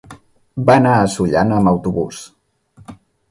Va anar a Sollana amb autobús.